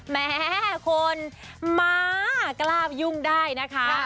แม่คนมากล้ายุ่งได้นะคะ